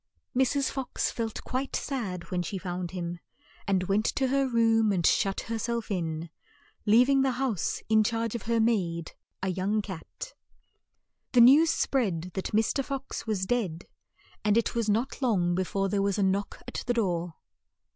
Mrs. Fox felt quite sad when she found him, and went to her room and shut her self in, leav ing the house in charge of her maid, a young cat. The news spread that Mr. Fox was dead, and it was not long be fore there was a knock at the door.